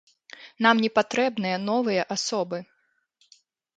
Нам не патрэбныя новыя асобы.